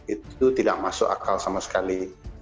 itu tidak masuk akal sama sekali